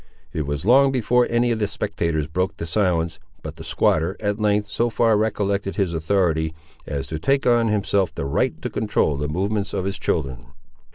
It was long before any of the spectators broke the silence; but the squatter, at length, so far recollected his authority, as to take on himself the right to control the movements of his children.